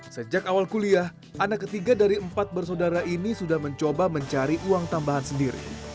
sejak awal kuliah anak ketiga dari empat bersaudara ini sudah mencoba mencari uang tambahan sendiri